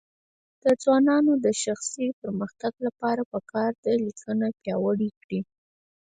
د ځوانانو د شخصي پرمختګ لپاره پکار ده چې لیکنه پیاوړې کړي.